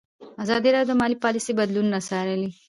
ازادي راډیو د مالي پالیسي بدلونونه څارلي.